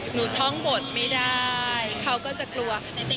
ท่องบทไม่ได้เขาก็จะกลัว